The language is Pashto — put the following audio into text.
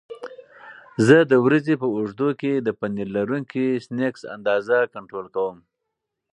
زه د ورځې په اوږدو کې د پنیر لرونکي سنکس اندازه کنټرول کوم.